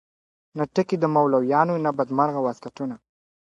نه ټګي د مولویانو نه بدمرغه واسکټونه `